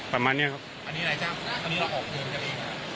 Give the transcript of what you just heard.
ประมาณเนี้ยครับอันนี้รายจ้าง